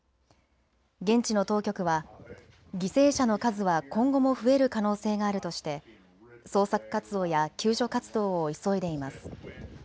現地の当局は犠牲者の数は今後も増える可能性があるとして捜索活動や救助活動を急いでいます。